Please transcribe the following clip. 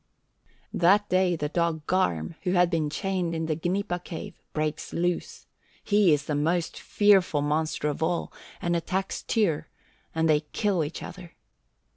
That day the dog Garm, who had been chained in the Gnipa cave, breaks loose. He is the most fearful monster of all, and attacks Tyr, and they kill each other.